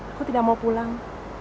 aku tidak mau pulang